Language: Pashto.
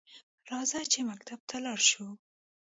راځه چې مکتب ته لاړشوو؟